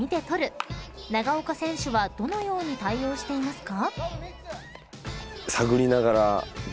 ［長岡選手はどのように対応していますか？］